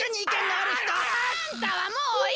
あんたはもういい！